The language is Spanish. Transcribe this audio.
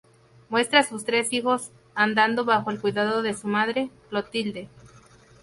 Muestra a sus tres hijos andando bajo el cuidado de su madre, Clotilde.